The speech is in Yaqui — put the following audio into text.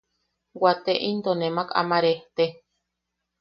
Waate into nemak ama rejte.